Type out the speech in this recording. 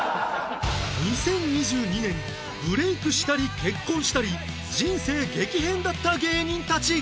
２０２２年ブレークしたり結婚したり人生激変だった芸人たち